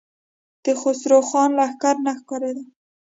د خسرو خان لښکر نه ښکارېده.